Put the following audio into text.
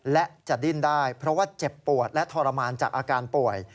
และจะดิ้นได้เพราะว่าเจ็บปวดและทรมานจากอาการป่วย